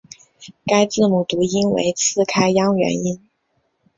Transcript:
该字母读音为次开央元音。